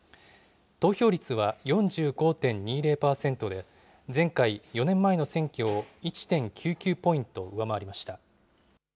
投票率は４５．２０％で、前回・４年前の選挙を１．９９ポイント